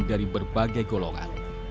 dari berbagai golongan